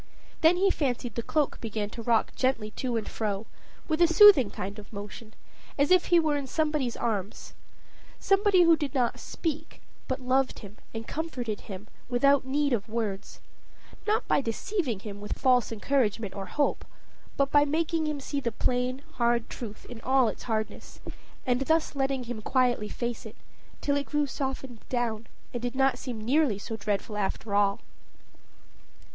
Then he fancied the cloak began to rock gently to and fro, with a soothing kind of motion, as if he were in somebody's arms: somebody who did not speak, but loved him and comforted him without need of words; not by deceiving him with false encouragement or hope, but by making him see the plain, hard truth in all its hardness, and thus letting him quietly face it, till it grew softened down, and did not seem nearly so dreadful after all.